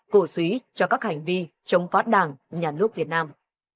cổ suý cho các hành vi chống phát đảng nhà nước việt nam